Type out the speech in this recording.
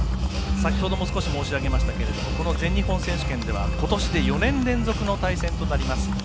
先ほども少し申し上げましたけどもこの全日本選手権では、ことしで４年連続の対戦となります。